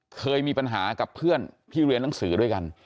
เคยมีปัญหากับเพื่อนที่เรียนหนังสือด้วยกัน